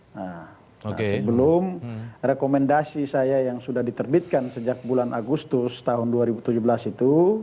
nah sebelum rekomendasi saya yang sudah diterbitkan sejak bulan agustus tahun dua ribu tujuh belas itu